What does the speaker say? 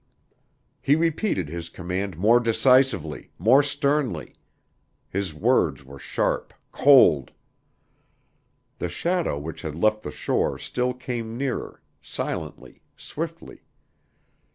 He repeated his command more decisively more sternly. His words were sharp cold. The shadow which had left the shore still came nearer silently, swiftly.